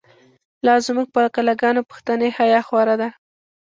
لا زمونږ په کلا گانو، پښتنی حیا خوره ده